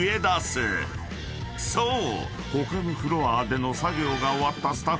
［そう］